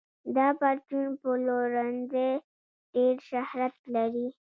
دا پرچون پلورنځی ډېر شهرت لري.